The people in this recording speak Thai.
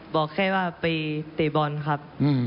บอกแค่ว่าไปเตะบอลครับ